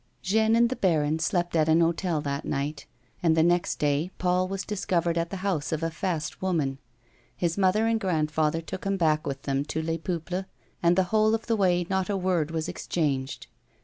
Jeanne and the baron slept at an hotel that night, and the next day Paul was discovered at the house of a fast woman. His mother and grandfather took him back with them to Les Peuples and the whole of the way not a word was exchanged.